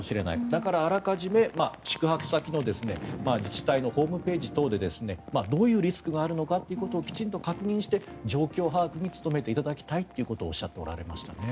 だからあらかじめ宿泊先の自治体のホームページ等でどういうリスクがあるのかをきちんと確認して状況把握に努めていただきたいとおっしゃっていましたね。